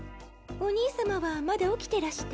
お兄さまはまだ起きてらして？